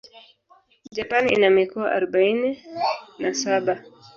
Japan ina mikoa arubaini na saba.